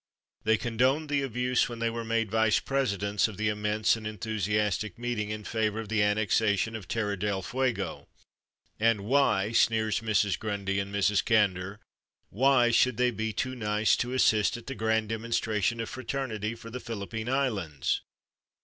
They condoned the abuse when they were made vice presidents of the immense and enthusiastic meeting in favor of the annexation of Terra del Fuego; and why, sneers Mrs. Grundy and Mrs. Candour why should they be too nice to assist at the grand demonstration of fraternity for the Philippine Islands?